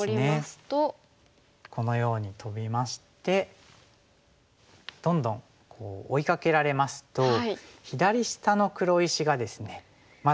このようにトビましてどんどん追いかけられますと左下の黒石がですねまだ完全に生きていないんですね。